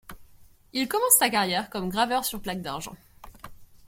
Il commence sa carrière comme graveur sur plaques d'argent.